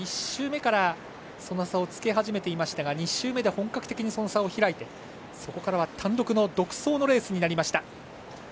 １周目からその差をつけ始めていましたが２周目で本格的にその差を開いてそこからは単独の独走のレースになりました。